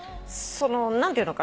その何ていうのかな？